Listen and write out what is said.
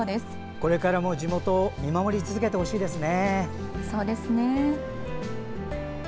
これからも地元を見守り続けてほしいですね。